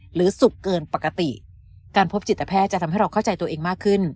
สุกเกินปกติการพบจิตแพทย์จะทำให้เราเข้าใจตัวเองมากขึ้น